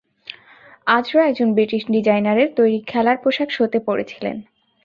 আজরা একজন ব্রিটিশ ডিজাইনারের তৈরি খেলার পোশাক শোতে পরেছিলেন।